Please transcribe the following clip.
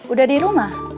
udah di rumah